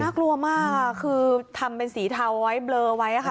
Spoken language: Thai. กลัวมากคือทำเป็นสีเทาไว้เบลอไว้ค่ะ